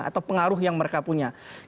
atau pengaruh yang mereka punya